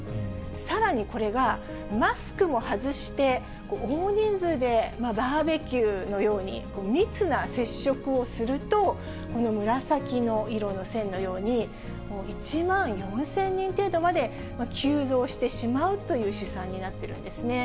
さらに、これがマスクも外して、大人数でバーベキューのように密な接触をすると、この紫色の線のように、１万４０００人程度まで急増してしまうという試算になってるんですね。